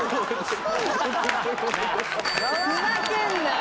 ふざけんなよ！